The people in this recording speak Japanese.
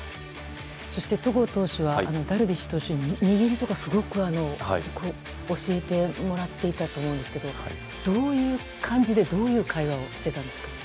そして戸郷投手はダルビッシュ投手に握りとかすごく教えてもらっていたと思うんですけどどういう感じでどういう会話をしていたんですか。